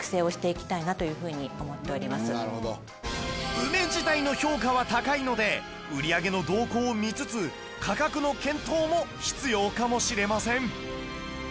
梅自体の評価は高いので売り上げの動向を見つつ価格の検討も必要かもしれません